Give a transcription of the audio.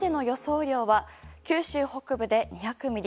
雨量は九州北部で２００ミリ